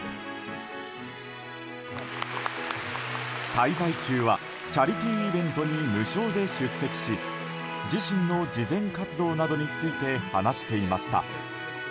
滞在中はチャリティーイベントに無償で出席し自身の慈善活動などについて話していました。